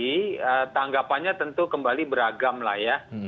tanggapannya tentu kembali beragam lah ya